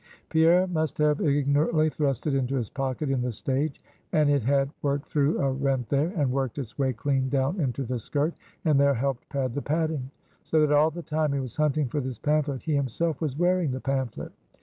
Pierre must have ignorantly thrust it into his pocket, in the stage, and it had worked through a rent there, and worked its way clean down into the skirt, and there helped pad the padding. So that all the time he was hunting for this pamphlet, he himself was wearing the pamphlet.